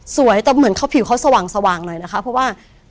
สวยแต่เหมือนผิวเขาสว่างหน่อยนะคะ